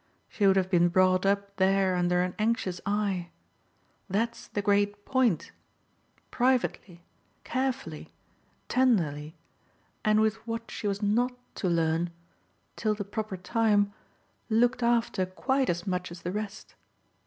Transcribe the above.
She would have been brought up there under an anxious eye that's the great point; privately, carefully, tenderly, and with what she was NOT to learn till the proper time looked after quite as much as the rest.